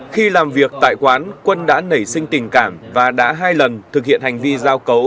khi làm việc tại quán quân đã nảy sinh tình cảm và đã hai lần thực hiện hành vi giao cấu